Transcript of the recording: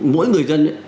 mỗi người dân